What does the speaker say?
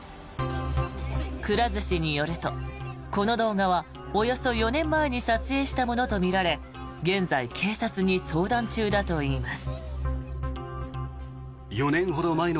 くら寿司によると、この動画はおよそ４年前に撮影したものとみられ現在警察に相談中だといいます。